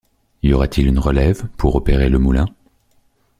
Y aura-t-il une relève pour opérer le moulin?